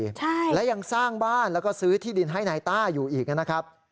ใช่และยังสร้างบ้านแล้วก็ซื้อที่ดินให้นายต้าอยู่อีกนะครับ